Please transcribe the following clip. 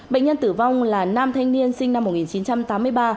bệnh nhân tử vong là nam thanh niên sinh năm một nghìn chín trăm tám mươi ba